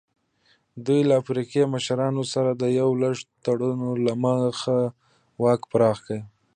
دوی له افریقایي مشرانو سره د یو لړ تړونونو له مخې واک پراخ کړ.